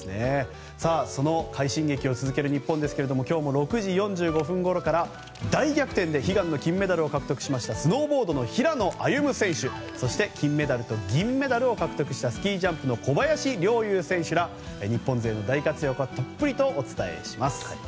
その快進撃を続ける日本ですが今日も６時４５分ごろから大逆転で悲願の金メダルを獲得しましたスノーボードの平野歩夢選手そして金メダルと銀メダルを獲得したスキージャンプの小林陵侑選手ら日本勢の大活躍をたっぷりとお伝えします。